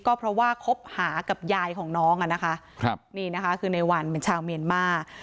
ก็เพราะว่าคบหากับยายของน้องอ่ะนะคะครับนี่นะคะคือในวันเป็นชาวเมียนมาร์